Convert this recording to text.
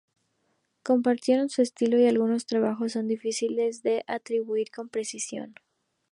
Compartieron su estilo, y algunos trabajos son difíciles de atribuir con precisión.